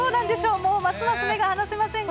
もうますます目が離せませんが。